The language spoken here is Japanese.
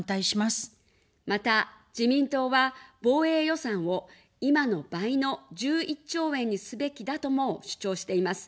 また自民党は、防衛予算を今の倍の１１兆円にすべきだとも主張しています。